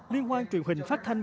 liên hoan truyền hình phát thanh